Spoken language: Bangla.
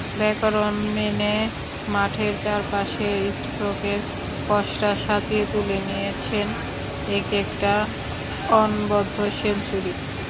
ব্যাকরণ মেনে মাঠের চারপাশে স্ট্রোকের পসরা সাজিয়ে তুলে নিয়েছেন একেকটা অনবদ্য সেঞ্চুরি।